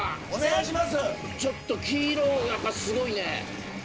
ちょっと黄色やっぱりすごいね。